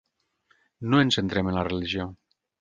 No ens centrem en la religió.